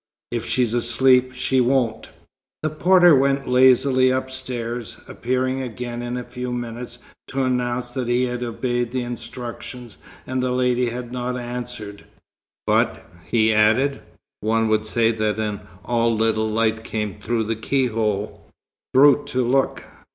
"If she's asleep, she won't." The porter went lazily upstairs, appearing again in a few minutes to announce that he had obeyed instructions and the lady had not answered. "But," he added, "one would say that an all little light came through the keyhole." "Brute, to look!"